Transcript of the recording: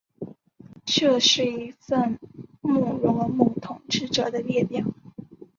这是一份穆罗姆统治者的列表。